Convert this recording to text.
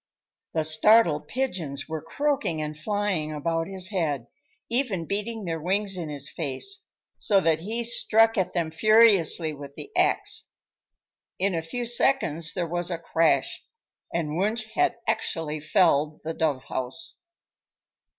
The startled pigeons were croaking and flying about his head, even beating their wings in his face, so that he struck at them furiously with the axe. In a few seconds there was a crash, and Wunsch had actually felled the dove house.